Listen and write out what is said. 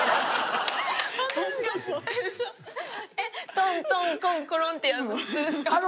トントンコンコロンってやるの？